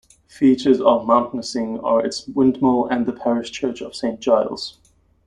Features of Mountnessing are its windmill and the parish church of Saint Giles.